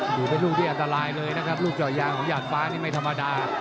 อยู่เป็นลูกที่อันตรายเลยนะครับลูกเจาะยางของหยาดฟ้านี่ไม่ธรรมดา